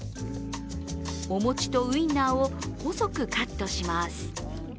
お餅とウインナーを細くカットします。